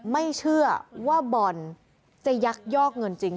ไม่เชื่อว่าบอลจะยักยอกเงินจริง